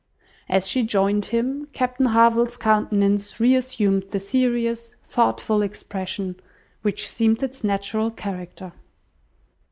As she joined him, Captain Harville's countenance re assumed the serious, thoughtful expression which seemed its natural character.